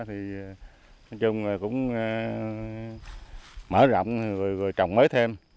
thì nói chung là cũng mở rộng rồi trồng mới thêm